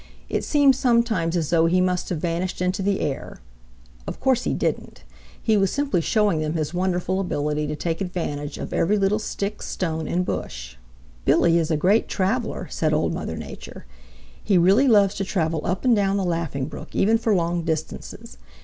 It seemed sometimes as though he must have vanished into the air. Of course he didn't. He was simply showing them his wonderful ability to take advantage of every little stick, stone and bush. "Billy is a great traveler," said Old Mother Nature. "He really loves to travel up and down the Laughing Brook, even for long distances.